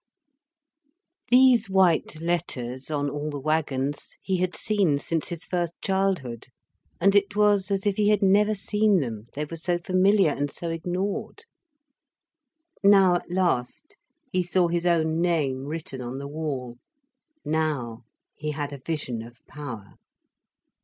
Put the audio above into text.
These white letters on all the wagons he had seen since his first childhood, and it was as if he had never seen them, they were so familiar, and so ignored. Now at last he saw his own name written on the wall. Now he had a vision of power.